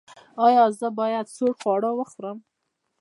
ایا زه باید سوړ خواړه وخورم؟